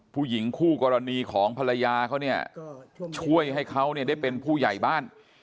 ผู้หญิงคู่กรณีของภรรยาเขาเนี่ยช่วยให้เขาเนี่ยได้เป็นผู้ใหญ่บ้าน